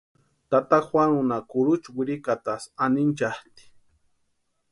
Tata Juanunha kurucha wirikatasï anhinchatʼi.